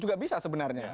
juga bisa sebenarnya